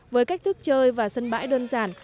với cách thức chơi và sân bãi đơn giản